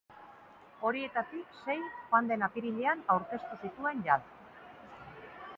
Horietatik sei joan den apirilean aurkeztu zituen jada.